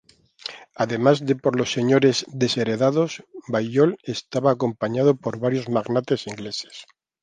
Además de por los señores desheredados, Balliol estaba acompañado por varios magnates ingleses.